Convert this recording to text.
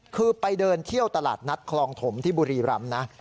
คือไปเดินเที่ยวตลาดนัดคลองถมที่บุรีรำนะ